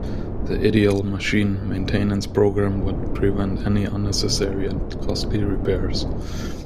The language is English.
The ideal machine maintenance program would prevent any unnecessary and costly repairs.